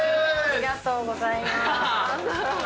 ありがとうございます。